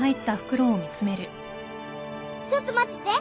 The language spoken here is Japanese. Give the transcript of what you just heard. ちょっと待ってて。